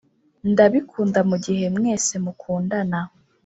ndabikunda mugihe mwese mukundana.